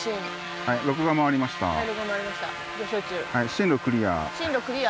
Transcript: はい進路クリア。